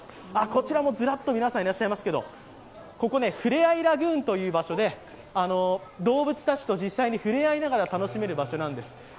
こちらもずらっと皆さんいらっしゃいますけれども、ふれあいラグーンという場所で動物たちと実際にふれあいながら楽しめる場所なんです。